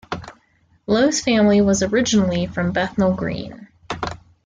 Lowe's family was originally from Bethnal Green.